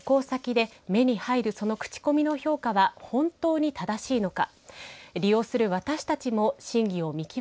日頃の生活や旅行先で目に入るそのクチコミの評価は本当に正しいのか。